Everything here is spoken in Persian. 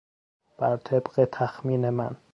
بر طبق تخمین من